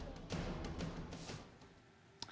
tim liputan cnn indonesia